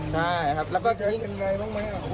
ใช่ครับแล้วก็ทีนี้ไม่มีใครเป็นไรบ้างไหมครับ